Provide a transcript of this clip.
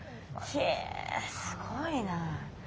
ひえすごいな。